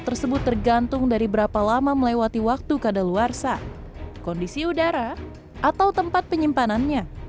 tersebut tergantung dari berapa lama melewati waktu kadaluarsa kondisi udara atau tempat penyimpanannya